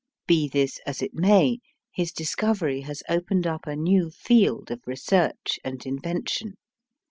Be this as it may, his discovery has opened up a new field of research and invention.